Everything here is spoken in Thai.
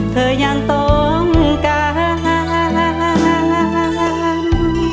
เธอยังต้องการ